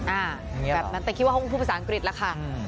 แบบนั้นแต่คิดว่าเขาก็พูดภาษาอังกฤษแล้วค่ะ